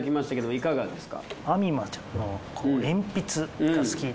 いかがですか？